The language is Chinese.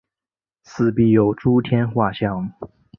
四壁有诸天画像。